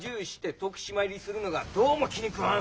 徳島入りするのがどうも気に食わん！